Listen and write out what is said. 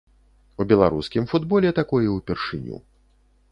У беларускім футболе такое ўпершыню.